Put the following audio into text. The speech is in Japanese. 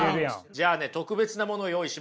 じゃあね特別なものを用意しました。